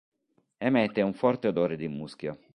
Emette un forte odore di muschio.